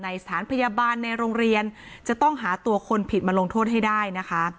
สถานพยาบาลในโรงเรียนจะต้องหาตัวคนผิดมาลงโทษให้ได้นะคะ